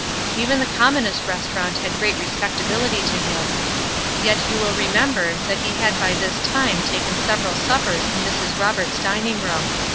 Even the commonest restaurant had great respectability to him. Yet you will remember that he had by this time taken several suppers in Mrs. Roberts' dining room.